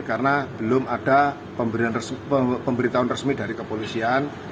karena belum ada pemberitahuan resmi dari kepolisian